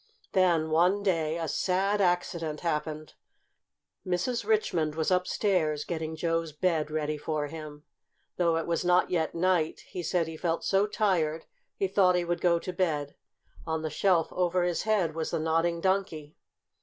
Then, one day, a sad accident happened. Mrs. Richmond was upstairs, getting Joe's bed ready for him. Though it was not yet night, he said he felt so tired he thought he would go to bed. On the shelf over his head was the Nodding Donkey.